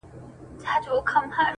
هغه زلمو او بوډاګانو ته منلی چنار؛